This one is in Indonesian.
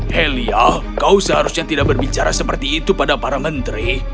helia kau seharusnya tidak berbicara seperti itu pada para menteri